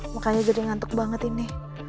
mukanya jadi ngantuk banget ini